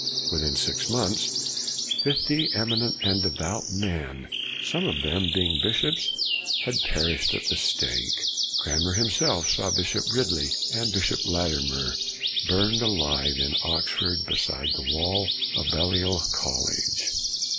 Within six months fifty eminent and devout men, some of them being CRANMER 93 bishops, had perished at the stake. Cran mer himself saw Bishop Ridley and Bishop Latimer burned alive in Oxford beside the wall of Balliol College.